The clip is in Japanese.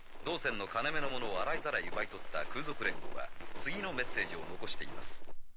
同船の金目のものを洗いざらい奪い取った空賊連合は次のメッセージを残しています。